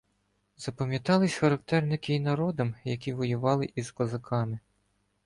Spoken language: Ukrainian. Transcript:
Запам'ятались характерники і народам, які воювали із козаками.